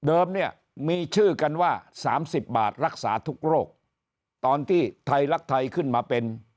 เนี่ยมีชื่อกันว่าสามสิบบาทรักษาทุกโรคตอนที่ไทยรักไทยขึ้นมาเป็น